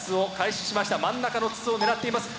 真ん中の筒を狙っています。